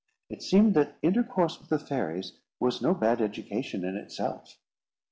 It seemed that intercourse with the fairies was no bad education in itself.